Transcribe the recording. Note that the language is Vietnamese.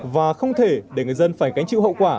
và không thể để người dân phải gánh chịu hậu quả